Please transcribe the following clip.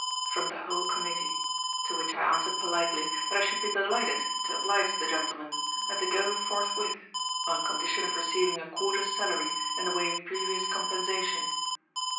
from the whole committee; to which I answered politely, that I should be delighted to oblige the gentlemen, and to go forthwith, on condition of receiving a quarter's salary in the way of previous compensation.